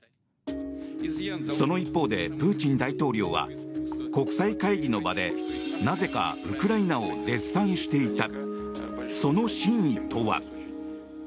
その一方で、プーチン大統領は国際会議の場でなぜかウクライナを絶賛していた。